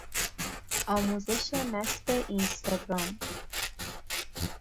آموزش نصب اینستاگرام